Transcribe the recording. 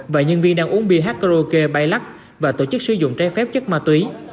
và nhân viên đang uống bia hát karaoke bay lắc và tổ chức sử dụng trái phép chất ma túy